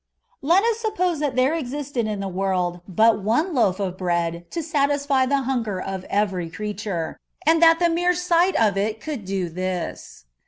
Let US suppose that there existed in the world but one loaf of bread to satisfy the hunger of every creature, and that the mere sight of it could do this.